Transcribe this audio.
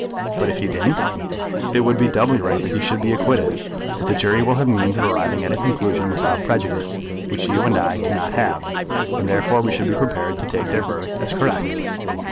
"But if he didn't?" "It would be doubly right that he should be acquitted. But the jury will have means of arriving at a conclusion without prejudice, which you and I cannot have; and therefore we should be prepared to take their verdict as correct."